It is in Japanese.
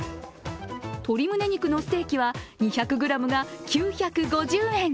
鶏ムネ肉のステーキは２００ｇが９５０円。